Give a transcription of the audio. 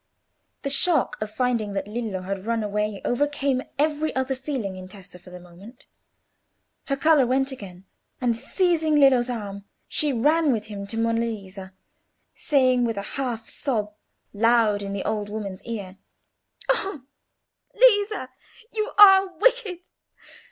The shock of finding that Lillo had run away overcame every other feeling in Tessa for the moment. Her colour went again, and, seizing Lillo's arm, she ran with him to Monna Lisa, saying, with a half sob, loud in the old woman's ear— "Oh, Lisa, you are wicked!